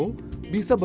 oh gitu ya